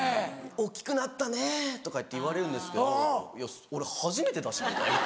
「大っきくなったね」とかって言われるんですけどいや俺初めてだしみたいな。